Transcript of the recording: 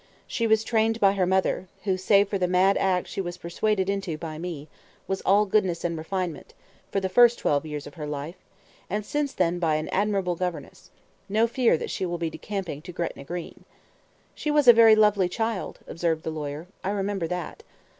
She was trained by her mother, who save for the mad act she was persuaded into by me, was all goodness and refinement, for the first twelve years of her life, and since then by an admirable governess. No fear that she will be decamping to Gretna Green." "She was a very lovely child," observed the lawyer; "I remember that."